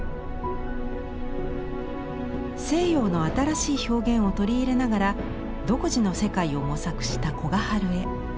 西洋の新しい表現を取り入れながら独自の世界を模索した古賀春江。